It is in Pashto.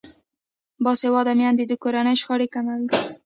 باسواده میندې د کورنۍ شخړې کموي.